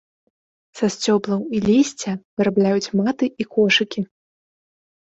Са сцёблаў і лісця вырабляюць маты і кошыкі.